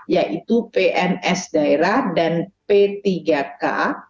yaitu pns daerah dan p tiga k